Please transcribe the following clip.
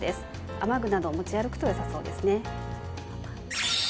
雨具などを持ち歩くと良さそうですね。